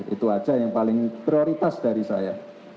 itu aja yang paling prioritas dari saya